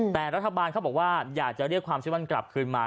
แต่รัฐบาลเขาบอกว่าอยากจะเรียกความเชื่อมั่นกลับคืนมา